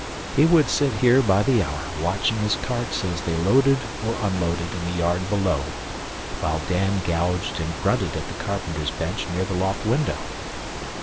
He would sit here by the hour watching his carts as they loaded or unloaded in the yard below, while Dan gouged and grunted at the carpenter's bench near the loft window.